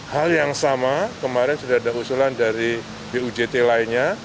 hal yang sama kemarin sudah ada usulan dari bujt lainnya